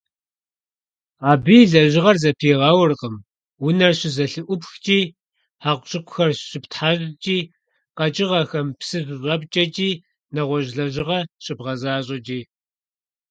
Абы и лэжьыгъэр зэпигъэуркъым унэр щызэлъыӀупхкӀи, хьэкъущыкъухэр щыптхьэщӀкӀи, къэкӀыгъэхэм псы щыщӀэпкӀэкӀи, нэгъуэщӀ лэжьыгъэ щыбгъэзащӀэкӀи.